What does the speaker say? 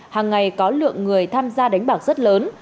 hàng ngày có lượng người tham gia đánh bạc rất lớn